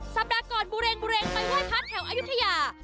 สัปดาห์ก่อนบุเร็งไปไหว้พัฒน์แถวอายุธยา